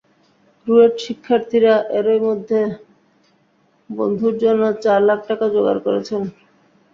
রুয়েট শিক্ষার্থীরা এরই মধ্যে বন্ধুর জন্য চার লাখ টাকা জোগাড় করেছেন।